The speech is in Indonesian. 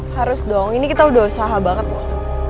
harus dong ini kita udah usaha banget loh